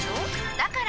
だから！